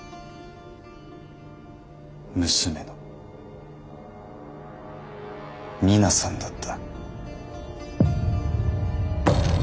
娘の己奈さんだった。